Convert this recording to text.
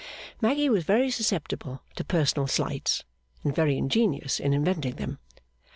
Maggy was very susceptible to personal slights, and very ingenious in inventing them.